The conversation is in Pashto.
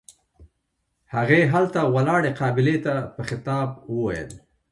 هغې هلته ولاړې قابلې ته په خطاب وويل.